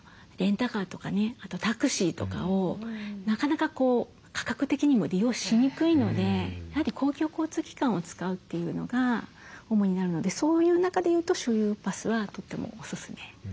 あとタクシーとかをなかなか価格的にも利用しにくいのでやはり公共交通機関を使うというのが主になるのでそういう中で言うと周遊バスはとてもおすすめですね。